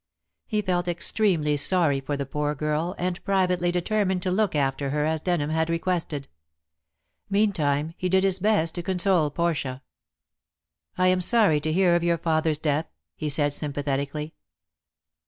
He felt extremely sorry for the poor girl, and privately determined to look after her as Denham had requested. Meantime he did his best to console Portia. "I am sorry to hear of your father's death," he said sympathetically.